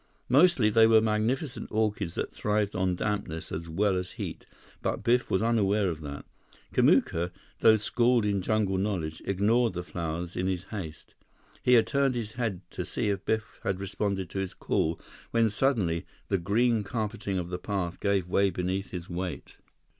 Mostly, they were magnificent orchids that thrived on dampness as well as heat, but Biff was unaware of that. Kamuka, though schooled in jungle knowledge, ignored the flowers in his haste. He had turned his head to see if Biff had responded to his call, when suddenly, the green carpeting of the path gave way beneath his weight.